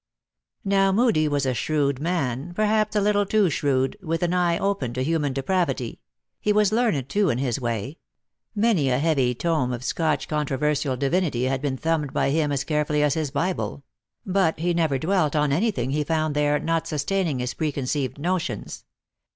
Now Moodie w r as a shrewd man, perhaps a little too shrewd, with an eye open to human depravity ; he was learned, too, in his way ; many a heavy tome of Scotch controversial divinity had been thumbed by him as carefully as his Bible; but he never dwelt on any thing lie found there not sustaining his precon ceived notions.